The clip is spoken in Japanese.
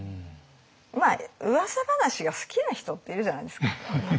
まあうわさ話が好きな人っているじゃないですか。